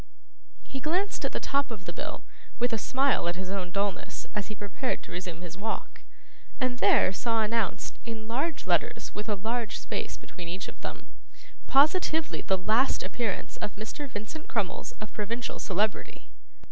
He glanced at the top of the bill, with a smile at his own dulness, as he prepared to resume his walk, and there saw announced, in large letters with a large space between each of them, 'Positively the last appearance of Mr. Vincent Crummles of Provincial Celebrity!!!